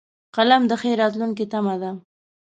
قلم د ښې راتلونکې تمه ده